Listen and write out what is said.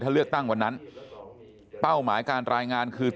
ถ้าเลือกตั้งวันนั้นเป้าหมายการรายงานคือ